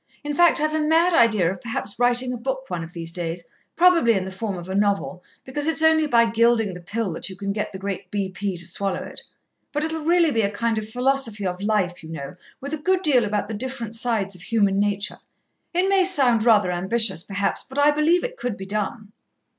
In fact, I've a mad idea of perhaps writing a book one of these days, probably in the form of a novel, because it's only by gilding the pill that you can get the great B.P. to swallow it but it'll really be a kind of philosophy of life, you know, with a good deal about the different sides of human nature. It may sound rather ambitious, perhaps, but I believe it could be done."